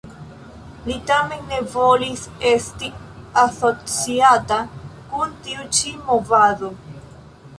Li tamen ne volis esti asociata kun tiu ĉi movado.